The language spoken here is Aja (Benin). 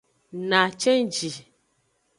Na cenji.